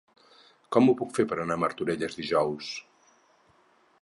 Com ho puc fer per anar a Martorelles dijous?